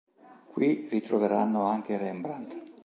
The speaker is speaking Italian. Qui ritroveranno anche Rembrandt.